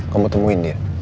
kamu temuin dia